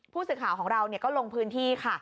ผู้สื่อข่าวของเราก็ลงพื้นที่ค่ะ